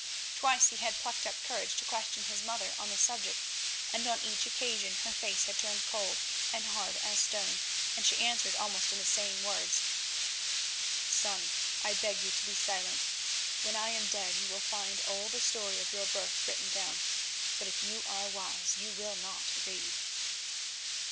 Twice he had plucked up courage to question his mother on the subject, and on each occasion her face had turned cold and hard as stone, and she answered almost in the same words: "Son, I beg you to be silent. When I am dead you will find all the story of your birth written down, but if you are wise you will not read."